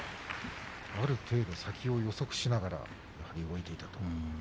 ある程度、先を予測しながら動いていたと。